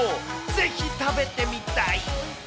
ぜひ食べてみたい。